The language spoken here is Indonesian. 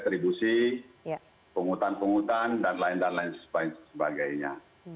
retribusi penghutan penghutan dan lain lain sebagainya